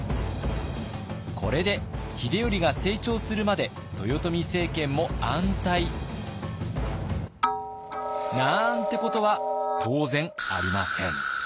これで秀頼が成長するまで豊臣政権も安泰。なんてことは当然ありません。